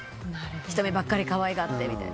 仁美ばっかり可愛がってみたいな。